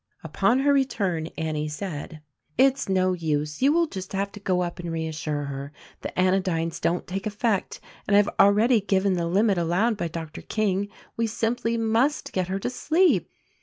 Upon her return Annie said, "It's no use; you will just have to go up and reassure her; the anodynes don't take effect, and I've already given the limit allowed by Doctor King. We simply must get her to sleep."